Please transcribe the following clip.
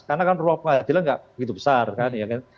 karena kan ruang penghadiran nggak begitu besar kan ya kan